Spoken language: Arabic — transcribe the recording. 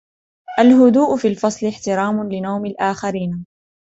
الهدوء في الفصل احترام لنوم الآخرين.